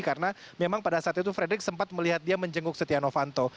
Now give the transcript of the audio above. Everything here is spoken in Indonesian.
karena memang pada saat itu frederick sempat melihat dia menjenguk setia novanto